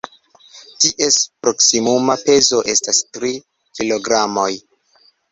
Ties proksimuma pezo estas tri kilogramoj.